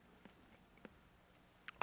「あ。